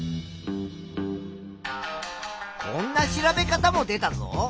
こんな調べ方も出たぞ。